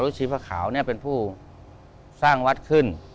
แล้วชีพข่าวเป็นผู้สร้างวัดขึ้น